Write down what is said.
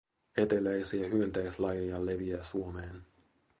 Eteläisiä hyönteislajeja leviää Suomeen.